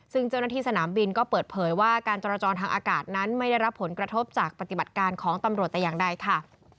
ซึ่งเจ้าหน้าที่สนามบินก็เปิดเผยว่าการจรจรทางอากาศนั้นไม่ได้รับผลกระทบจากปฏิบัติการของตำรวจแต่อย่างใดค่ะ